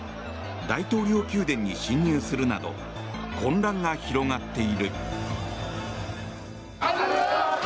大統領宮殿に侵入するなど混乱が広がっている。